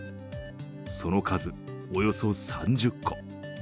その数、およそ３０個。